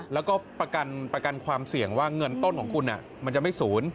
แล้วก็ประกันความเสี่ยงว่าเงินต้นของคุณมันจะไม่ศูนย์